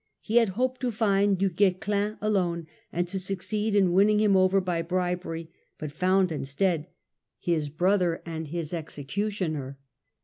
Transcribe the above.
He had hoped to find Du GuescHn alone and to succeed in win ning him over by bribery, but found instead " his brother and his executioner